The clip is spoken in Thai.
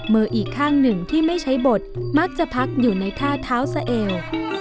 อีกข้างหนึ่งที่ไม่ใช้บทมักจะพักอยู่ในท่าเท้าสะเอว